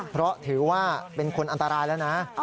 เพราะถือว่าเป็นคนอันตรายแล้วนะ